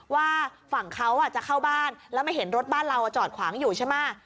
ว่าฝั่งเขาจะเข้าบ้านแล้วมาเห็นรถบ้านเราจอดขวางอยู่ใช่ไหม